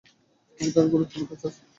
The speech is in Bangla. আমাদের অনেক গুরুত্বপূর্ণ কাজ আছে।